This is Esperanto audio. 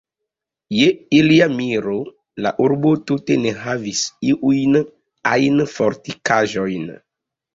Je ilia miro, la urbo tute ne havis iujn ajn fortikaĵojn.